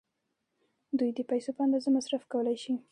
دوی د پیسو په اندازه مصرف کولای شي.